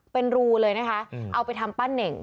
เป็นรูเลยนะคะเอาไปทำปั้นเน่ง